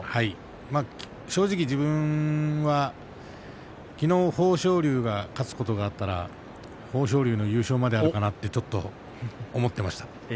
正直、自分はきのう豊昇龍が勝つことがあったら豊昇龍への優勝まであるかなってちょっと思っていました。